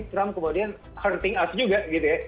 trump kemudian hurting us juga gitu ya